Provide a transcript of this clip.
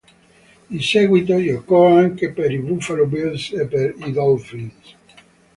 In seguito giocò anche per i Buffalo Bills e per i Dolphins.